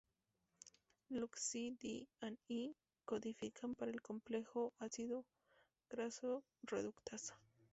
LuxC,D y E codifican para el complejo ácido graso-reductasa.